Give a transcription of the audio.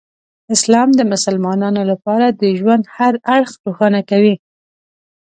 اسلام د مسلمانانو لپاره د ژوند هر اړخ روښانه کوي.